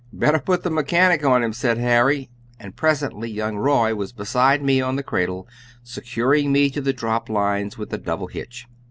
"Better put the 'mechanic' on him," said Harry, and presently young Roy was beside me on the cradle, securing me to the drop lines with a double hitch.